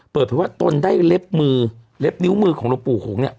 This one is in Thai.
เปิดเผยว่าตนได้เล็บมือเล็บนิ้วมือของหลวงปู่หงเนี่ย